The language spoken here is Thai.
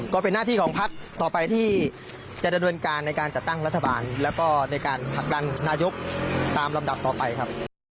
ก็เป็นหน้าที่ของพักต่อไปที่จะดำเนินการในการจัดตั้งรัฐบาลแล้วก็ในการผลักดันนายกตามลำดับต่อไปครับ